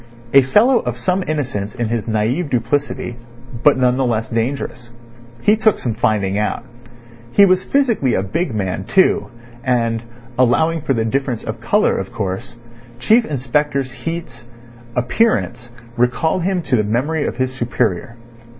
A fellow of some innocence in his naive duplicity, but none the less dangerous. He took some finding out. He was physically a big man, too, and (allowing for the difference of colour, of course) Chief Inspector Heat's appearance recalled him to the memory of his superior.